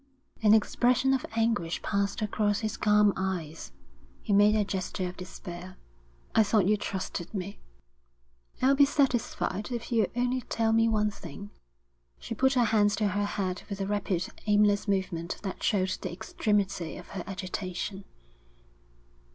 An expression of anguish passed across his calm eyes. He made a gesture of despair. 'I thought you trusted me.' 'I'll be satisfied if you'll only tell me one thing.' She put her hands to her head with a rapid, aimless movement that showed the extremity of her agitation.